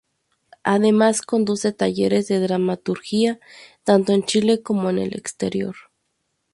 Además, conduce talleres de dramaturgia tanto en Chile como en el exterior.